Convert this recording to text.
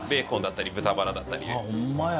あほんまや。